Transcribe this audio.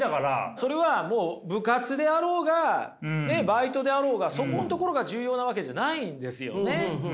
それは部活であろうがバイトであろうがそこのところが重要なわけじゃないんですよね。